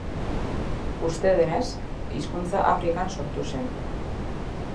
Uste denez, hizkuntza Afrikan sortu zen.